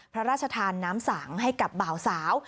พระราชทานน้ำสังให้กับบ่าวสาว